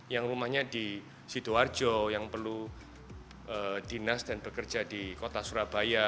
yang rumahnya di sidoarjo yang perlu dinas dan bekerja di kota surabaya